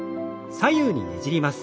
左右にねじります。